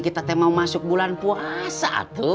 kita mau masuk bulan puasa tuh